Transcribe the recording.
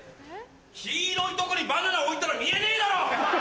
黄色いとこにバナナ置いたら見えねえだろ！